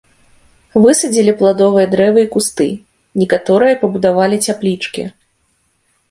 Высадзілі пладовыя дрэвы і кусты, некаторыя пабудавалі цяплічкі.